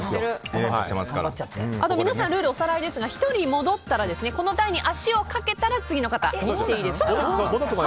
あと皆さんルールおさらいですが１人戻ったらこの台に足をかけたら次の方いっていいです。